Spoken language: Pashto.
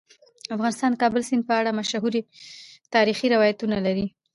افغانستان د کابل سیند په اړه مشهور تاریخی روایتونه لري.